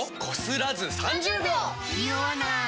ニオわない！